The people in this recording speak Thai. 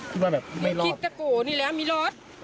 คิดว่าแบบไม่รอดคิดแต่กูนี่แหละไม่รอด